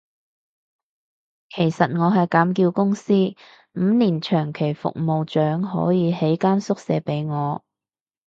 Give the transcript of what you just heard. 其實我係咁叫公司，五年長期服務獎可以起間宿舍畀我